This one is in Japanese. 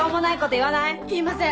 言いません。